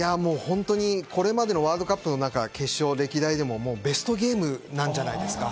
これまでのワールドカップの中、決勝歴代でもベストゲームなんじゃないですか？